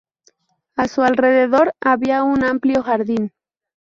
A su alrededor había un amplio jardín.